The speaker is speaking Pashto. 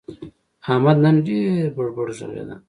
احمد نن ډېر بړ بړ ږغېدل.